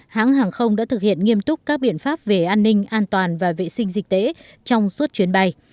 hãng hàng không đã thực hiện nghiêm túc các biện pháp về an ninh an toàn và vệ sinh dịch tễ trong suốt chuyến bay